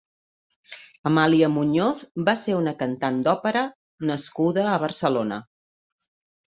Amalia Muñoz va ser una cantant d'òpera nascuda a Barcelona.